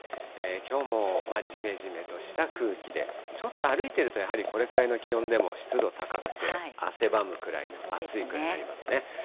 きょうもじめじめとした空気で、ちょっと歩いてると、やはりこれくらいの気温でも湿度高くて、汗ばむくらいの、暑いくらいですね。